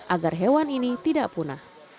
agar hewan ini tidak punah